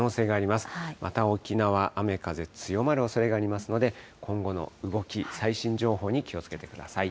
また沖縄、雨風強まるおそれがありますので、今後の動き、最新情報に気をつけてください。